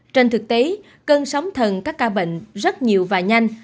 trên thực tế cơn sóng thần các ca bệnh rất nhiều và nhanh